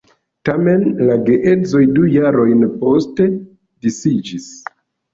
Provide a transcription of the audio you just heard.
Tamen la geedzoj du jarojn poste disiĝis.